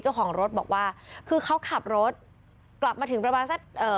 เจ้าของรถบอกว่าคือเขาขับรถกลับมาถึงประมาณสักเอ่อ